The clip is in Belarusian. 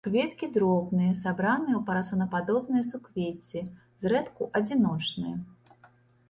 Кветкі дробныя, сабраныя ў парасонападобныя суквецці, зрэдку адзіночныя.